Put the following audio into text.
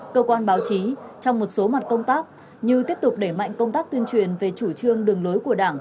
cơ quan báo chí trong một số mặt công tác như tiếp tục đẩy mạnh công tác tuyên truyền về chủ trương đường lối của đảng